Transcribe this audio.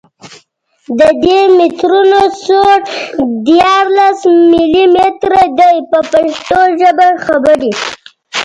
د دي مترونو سور دیارلس ملي متره دی په پښتو ژبه خبرې.